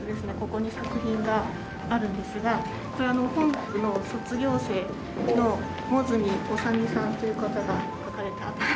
ここに作品があるんですがこれは本学の卒業生の茂住修身さんという方が書かれた。